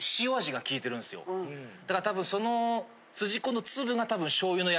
だからたぶんその。